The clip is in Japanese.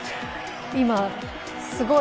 今、すごい。